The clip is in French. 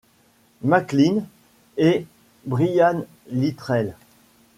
McLean et Brian Littrell.